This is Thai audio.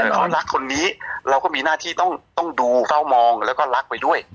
เรารักคนนี้เราก็มีหน้าที่ต้องดูเฝ้ามองแล้วก็รักไปด้วย